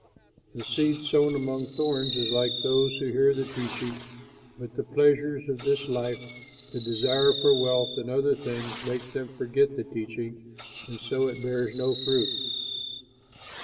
"The seed sown among thorns is like those who hear the teaching but the pleasures of this life, the desire for wealth and other things makes them forget the teaching, and so it bears no fruit.